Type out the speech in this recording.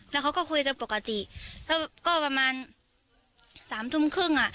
แล้วเขาก็คุยกันปกติแล้วก็ประมาณสามทุ่มครึ่งอ่ะ